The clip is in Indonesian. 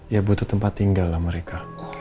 ya butuh tempat tinggal lah mereka